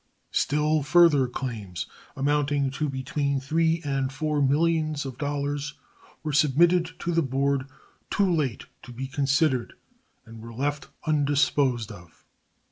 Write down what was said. Still further claims, amounting to between three and four millions of dollars, were submitted to the board too late to be considered, and were left undisposed of.